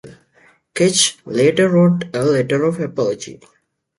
Ketch later wrote a letter of apology.